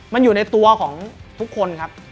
มันอยู่ในตัวของทุกคนครับ